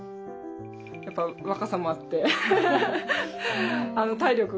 やっぱ若さもあって体力が。